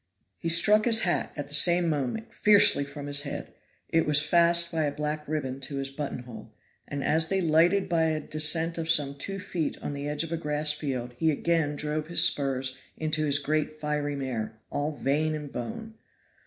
He struck his hat, at the same moment, fiercely from his head (it was fast by a black ribbon to his button hole), and as they lighted by a descent of some two feet on the edge of a grass field he again drove his spurs into his great fiery mare, all vein and bone.